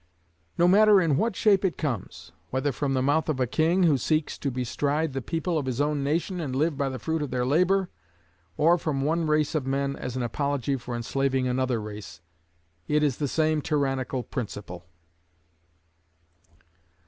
No matter in what shape it comes, whether from the mouth of a king who seeks to bestride the people of his own nation and live by the fruit of their labor, or from one race of men as an apology for enslaving another race, it is the same tyrannical principle.